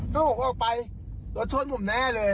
ถ้าผมออกไปรถชนผมแน่เลย